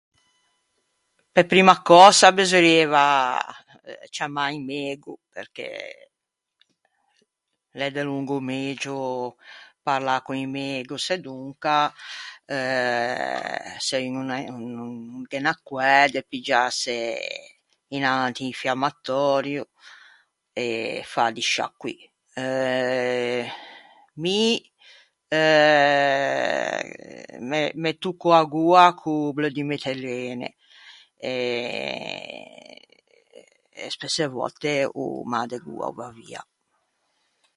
Pe primma cösa besorrieiva ciammâ un mego, perché l'é delongo megio parlâ con un mego, sedonca, eh, se un o no ghe n'à coæ, de piggiâse un antinfiammatòrio e fâ di sciacqui. Eh... mi... eh... me me tocco a goa co-o bleu di metilene e e spesse vòtte o mâ de goa o va via.